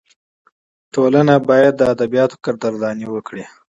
ټولنه باید د ادیبانو قدرداني وکړي.